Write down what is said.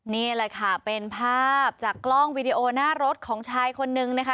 นี่แหละค่ะเป็นภาพจากกล้องวิดีโอหน้ารถของชายคนนึงนะคะ